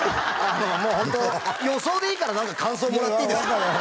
もうホント予想でいいから何か感想もらっていいですか？